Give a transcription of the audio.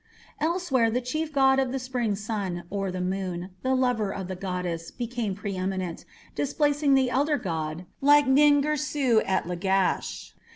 Elsewhere the chief god of the spring sun or the moon, the lover of the goddess, became pre eminent, displacing the elder god, like Nin Girsu at Lagash.